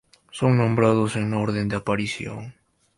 Son nombrados en orden de aparición.